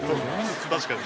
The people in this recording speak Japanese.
確かに。